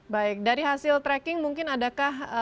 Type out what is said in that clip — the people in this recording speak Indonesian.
baik dari hasil tracking mungkin adakah